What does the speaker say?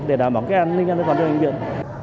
để đảm bảo các an ninh gần trong bệnh viện